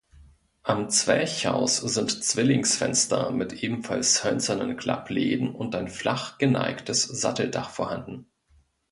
Am Zwerchhaus sind Zwillingsfenster mit ebenfalls hölzernen Klappläden und ein flach geneigtes Satteldach vorhanden.